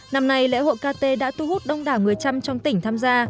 năm nay lễ hội kt đã thu hút đông đảo người trăm trong tỉnh tham gia